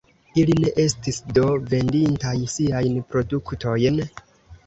Ili ne estis do vendintaj siajn produktojn?